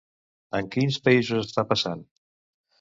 En quins països està passant?